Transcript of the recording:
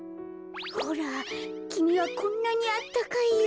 ほらきみはこんなにあったかいよ。